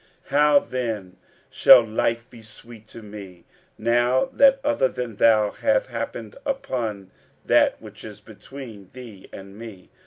How then shall life be sweet to me, now that other than Thou hath happened upon that which is between Thee and me?